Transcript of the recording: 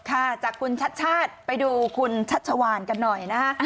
ค่ะจากคุณชัดชาติไปดูคุณชัชวานกันหน่อยนะฮะ